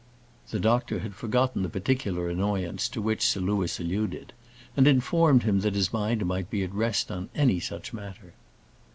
The doctor had forgotten the particular annoyance to which Sir Louis alluded; and informed him that his mind might be at rest on any such matter.